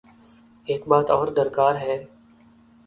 ایک بات اور درکار ہے۔